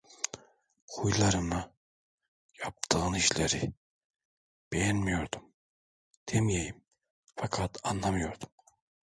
Huylarını, yaptığın işleri, beğenmiyordum demeyeyim, fakat anlamıyordum.